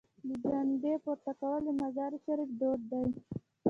د جنډې پورته کول د مزار شریف دود دی.